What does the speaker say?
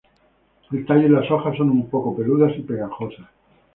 El tallo y las hojas son un poco peludas y pegajosas.